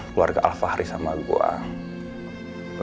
keluarga al fahri sama gue